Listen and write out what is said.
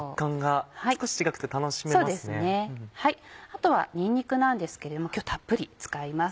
あとはにんにくなんですけれども今日たっぷり使います。